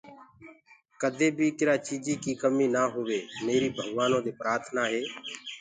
ڪَدي بي ڪرآ چيجي ڪي ڪمي نآ هوئ ميري ڀگَوآنو دي پرآٿنآ هي